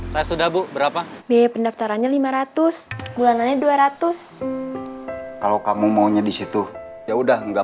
saya sudah bu berapa biaya pendaftarannya lima ratus bulanannya dua ratus kalau kamu maunya disitu ya udah enggak